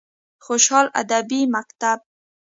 خوشحال ادبي مکتب: